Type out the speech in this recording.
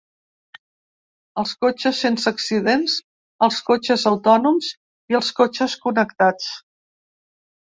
Els cotxes sense accidents, els cotxes autònoms i els cotxes connectats.